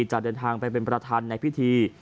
จะเดินทางไปเป็นประธานในพิธี